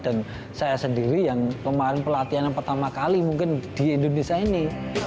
dan saya sendiri yang pelatihan pertama kali mungkin di indonesia ini